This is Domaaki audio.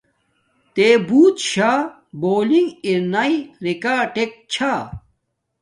تݺ بݸُت شݳ بݳݸلنݣ ارݳئی رݵکݳٹݵک چھݳ؟